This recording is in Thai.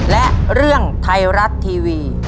และเรื่องไทยรัฐทีวี